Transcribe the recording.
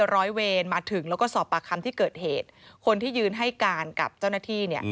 ร้อยเวรมาถึงแล้วก็สอบปากคำที่เกิดเหตุคนที่ยืนให้การกับเจ้าหน้าที่เนี่ย